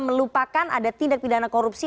melupakan ada tindak pidana korupsi